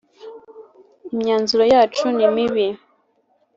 Imyanzuro yacu nimibi.